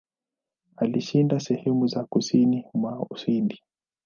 Alishinda sehemu za kusini mwa Uhindi.